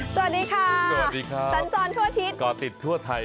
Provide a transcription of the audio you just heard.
สวัสดีค่ะสั้นจรทั่วทิศกรติศทั่วไทย